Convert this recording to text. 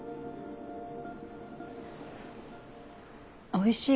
おいしい